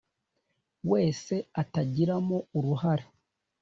Wese atagiramo uruhare